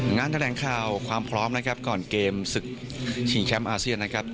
งานแทนคาวความพร้อมก่อนเกมศึกชิงแชมป์อาเซียนนะครับ